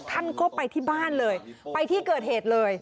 ท่านก็ไปที่บ้านเลยไปที่เกิดเหตุเลย